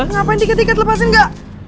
ngapain diket diket lepasin ga